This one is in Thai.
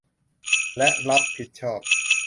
และรับผิดชอบ